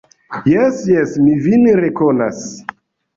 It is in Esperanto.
Jes, jes, mi vin rekonas!